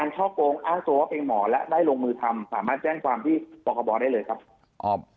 ช่อโกงเป็นหมอแล้วได้ลงมือทำสามารถแจ้งความที่ปคด้วยเลยครับ